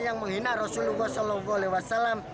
yang menghina rasulullah saw